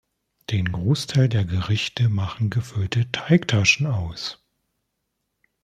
Den Großteil der Gerichte machen gefüllte Teigtaschen aus.